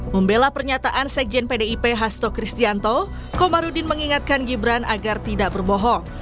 membela pernyataan sekjen pdip hasto kristianto komarudin mengingatkan gibran agar tidak berbohong